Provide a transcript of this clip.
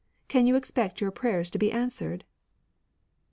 Can you expect your prayers to be answered